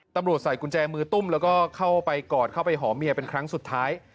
ใส่กุญแจมือตุ้มแล้วก็เข้าไปกอดเข้าไปหอมเมียเป็นครั้งสุดท้าย